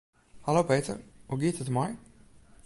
Hallo Peter, hoe giet it der mei?